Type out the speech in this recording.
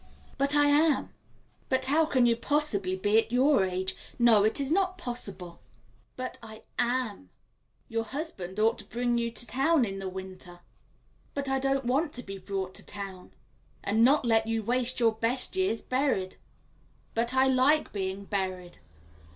"But I am." "But how can you possibly be at your age? No, it is not possible." "But I am." "Your husband ought to bring you to town in the winter." "But I don't want to be brought to town." "And not let you waste your best years buried." "But I like being buried."